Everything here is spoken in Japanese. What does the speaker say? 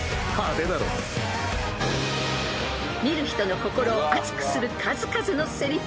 ［見る人の心を熱くする数々のせりふ］